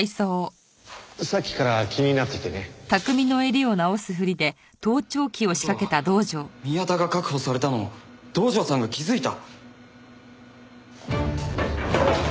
さっきから気になっててね。って事は宮田が確保されたのを道上さんが気づいた！？